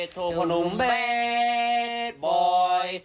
เธอคนหนุ่มแบดบ่อย